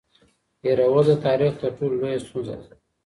هېرول د تاریخ تر ټولو لویه ستونزه ده.